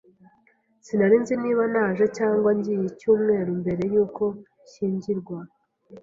Sinari nzi niba naje cyangwa ngiye icyumweru mbere yuko nshyingirwa.